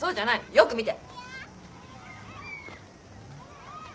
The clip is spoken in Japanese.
よく見て。